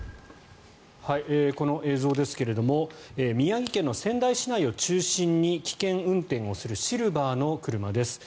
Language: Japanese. この映像ですが宮城県の仙台市内を中心に危険運転をするシルバーの車です。